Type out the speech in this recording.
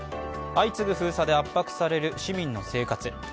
相次ぐ封鎖で圧迫される市民の生活。